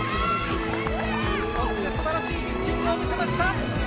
そして、素晴らしいピッチングを見せました。